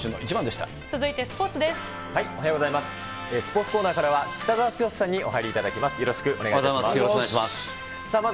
スポーツコーナーからは、北澤豪さんにお入りいただきます。